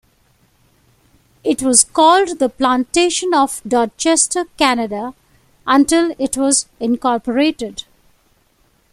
It was called the Plantation of Dorchester-Canada until it was incorporated.